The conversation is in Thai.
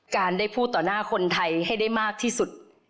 การได้พูดต่อหน้าคนไทยให้ได้มากที่สุด